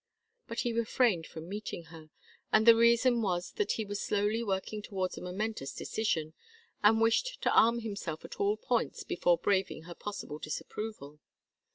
But he refrained from meeting her, and the reason was that he was slowly working towards a momentous decision, and wished to arm himself at all points before braving her possible disapproval.